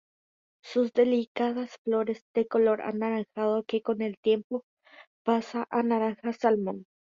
Sus delicadas flores de color anaranjado, que con el tiempo pasa a naranja salmón.